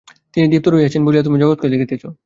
তিনিই দীপ্ত রহিয়াছেন বলিয়া তুমি জগৎকে দেখিতেছ।